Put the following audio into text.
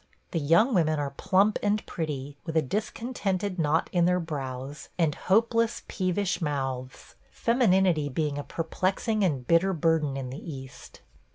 The young women are plump and pretty, with a discontented knot in their brows, and hopeless, peevish mouths – femininity being a perplexing and bitter burden in the East.